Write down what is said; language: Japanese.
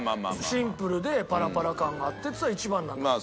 シンプルでパラパラ感があってっていったら１番なんだもん。